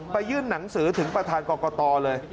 ยื่นหนังสือถึงประธานกรกตเลย